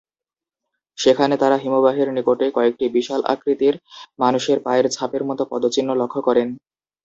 সেখানে তারা হিমবাহের নিকটে কয়েকটি বিশাল আকৃতির মানুষের পায়ের ছাপের মতো পদচিহ্ন লক্ষ্য করেন।